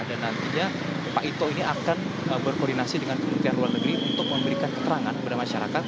dan nantinya bapak ito ini akan berkoordinasi dengan kebutuhan luar negeri untuk memberikan keterangan kepada masyarakat